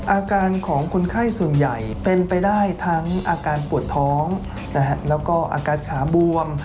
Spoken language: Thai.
อาการของคนไข้ส่วนใหญ่เป็นไปได้ทั้งอาการปวดท้องแล้วก็อาการขาบวม